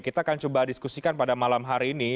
kita akan coba diskusikan pada malam hari ini